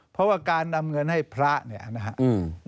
เพราะว่าการนำเงินให้พระเนี่ยนะครับ